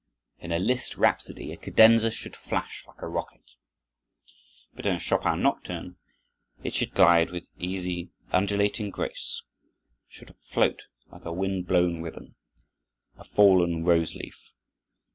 In a Liszt rhapsody, a cadenza should flash like a rocket, but in a Chopin nocturne it should glide with easy, undulating grace, should float like a wind blown ribbon, a fallen rose leaf.